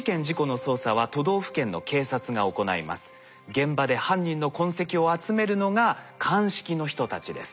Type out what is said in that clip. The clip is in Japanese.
現場で犯人の痕跡を集めるのが鑑識の人たちです。